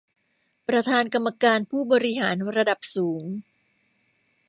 ประธานกรรมการผู้บริหารระดับสูง